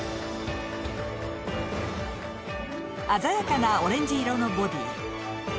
鮮やかなオレンジ色のボディー。